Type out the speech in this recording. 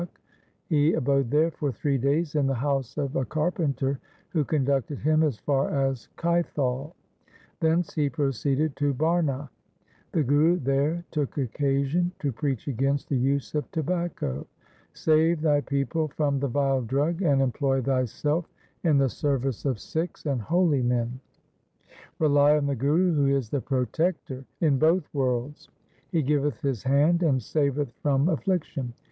He abode there for three days in the house of a carpenter who conducted him as far as Kaithal. Thence he proceeded to Barna. The Guru there took occasion to preach against the use of tobacco. ' Save thy people from the vile drug, and employ thyself in the service of Sikhs and holy men. Rely on the Guru who is the protector in both worlds. He giveth his hand and saveth from affliction.